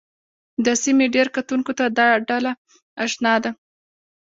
د سیمې ډېرو کتونکو ته دا ډله اشنا ده